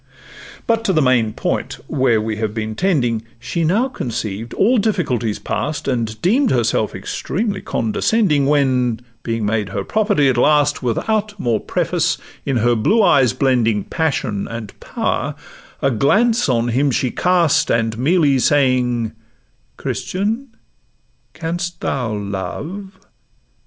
But to the main point, where we have been tending:— She now conceived all difficulties past, And deem'd herself extremely condescending When, being made her property at last, Without more preface, in her blue eyes blending Passion and power, a glance on him she cast, And merely saying, 'Christian, canst thou love?